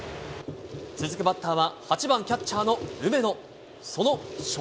続くバッターは、８番キャッチャーの梅野。